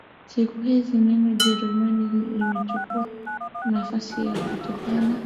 Siku hizi neno Ujerumani limechukua nafasi yake kutokana